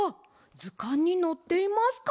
ずかんにのっていますか？